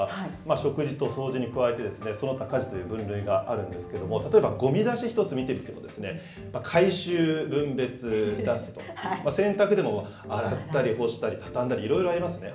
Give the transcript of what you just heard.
食事と掃除に加えて、その他家事という分類があるんですけれども、例えばごみ出し１つ見てみても、回収、分別、出すと、洗濯でも洗ったり、干したり、畳んだり、いろいろありますね。